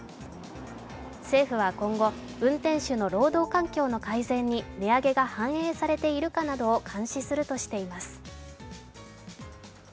政府は今後、運転手の労働環境の改善に値上げが反映されているかを監視するとしています。